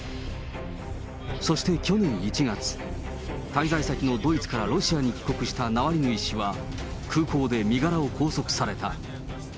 そして去年１月、滞在先のドイツからロシアに帰国したナワリヌイ氏は、空港で身柄を拘束された。